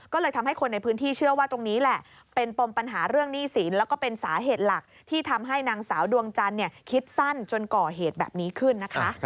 ก็เลยทำให้คนในพื้นที่เชื่อว่าตรงนี้แหละเป็นปมปัญหาเรื่องหนี้สินแล้วก็เป็นสาเหตุหลักที่ทำให้นางสาวดวงจันทร์คิดสั้นจนก่อเหตุแบบนี้ขึ้นนะคะ